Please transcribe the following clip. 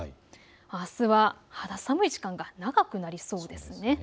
あすは肌寒い時間が長くなります。